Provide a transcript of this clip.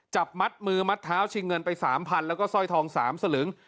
จับมัดมือมัดเท้าชิงเงินไป๓๐๐๐แล้วก็สร้อยทอง๓สลึง